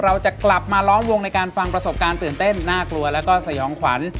เราจะกลับมาล้อมวงในการฟังประสบการณ์ตื่นเต้นน่ากลัวแล้วก็สยองขวัญ